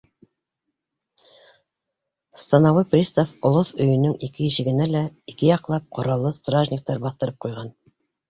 Становой пристав олоҫ өйөнөң ике ишегенә лә ике яҡлап ҡораллы стражниктар баҫтырып ҡуйған.